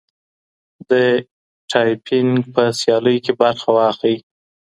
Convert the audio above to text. د ټایپنګ په سیالیو کي برخه واخلئ.